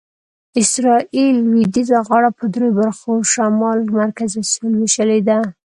اسرایل لویدیځه غاړه په دریو برخو شمال، مرکزي او سویل وېشلې ده.